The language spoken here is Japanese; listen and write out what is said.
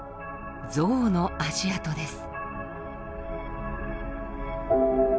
ゾウの足跡です。